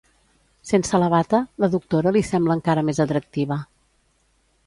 Sense la bata, la doctora li sembla encara més atractiva.